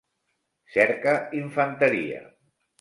Cerca infanteria.